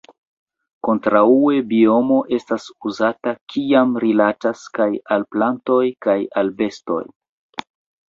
Kontraŭe biomo estas uzata kiam rilatas kaj al plantoj kaj al bestoj.